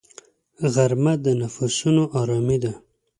غرمه د نفسونو آرامي ده